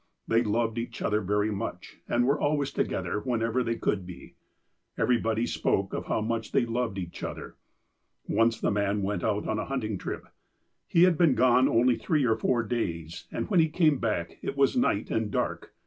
They loved each other very much, and were always together whenever they could be. Everybody spoke of how much they loved each other. Once the man went out on a hunting trip. He had been gone only three or four days, and when he came back it was night, and dark.